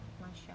terima kasih bu